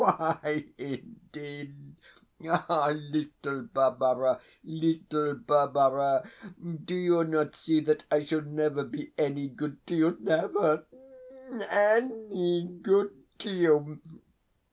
Why, indeed? Ah, little Barbara, little Barbara! Do you not see that I shall never be any good to you, never any good to you?